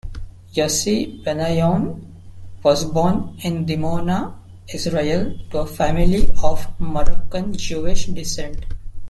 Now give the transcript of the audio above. Yossi Benayoun was born in Dimona, Israel to a family of Moroccan-Jewish descent.